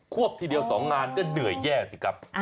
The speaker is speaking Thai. วบทีเดียว๒งานก็เหนื่อยแย่สิครับ